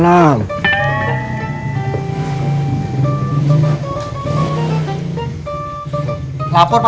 lanjut ga apa apa